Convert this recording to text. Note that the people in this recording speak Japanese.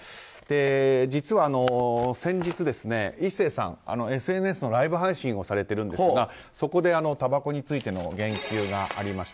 実は先日、壱成さんＳＮＳのライブ配信をされているんですがそこで、たばこについての言及がありました。